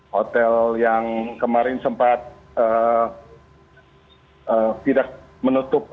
hotel yang kemarin sempat